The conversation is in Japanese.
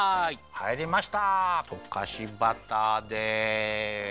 はいりました！とかしバターです。